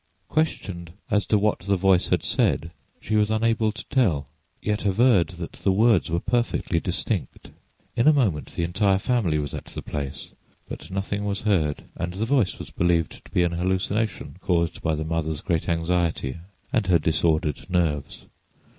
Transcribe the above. Questioned as to what the voice had said, she was unable to tell, yet averred that the words were perfectly distinct. In a moment the entire family was at the place, but nothing was heard, and the voice was believed to be an hallucination caused by the mother's great anxiety and her disordered nerves.